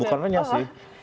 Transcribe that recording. bukan renya sih